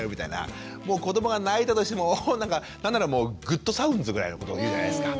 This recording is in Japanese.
もう子どもが泣いたとしても何ならもうグッドサウンズぐらいなことを言うじゃないですか。